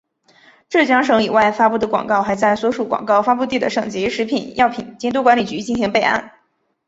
浙江省以外发布的广告还在所属广告发布地的省级食品药品监督管理局进行备案。